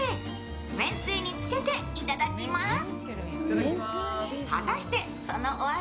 めんつゆにつけていただきます。